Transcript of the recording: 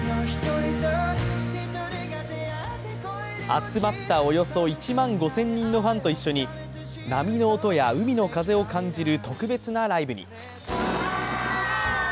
集まったおよそ１万５０００人のファンと一緒に波の音や海の風を感じる特別なライブに。